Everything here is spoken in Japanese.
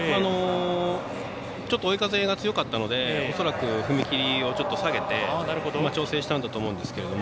ちょっと追い風が強かったので恐らく、踏み切りをちょっと下げて調整したんだと思うんですが。